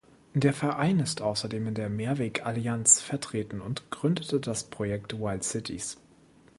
Der Verein ist außerdem in der "Mehrweg-Allianz" vertreten und gründete das Projekt "Wild Cities".